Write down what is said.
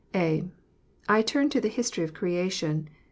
(a) I turn to the history of creation.